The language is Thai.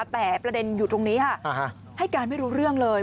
แต่ประเด็นอยู่ตรงนี้ค่ะให้การไม่รู้เรื่องเลย